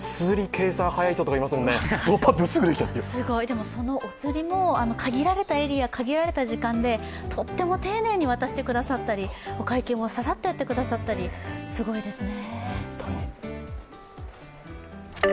でも、そのおつりも限られたエリア限られた時間でとても丁寧に渡してくださったり、お会計もささっとやってくださったり、すごいですね。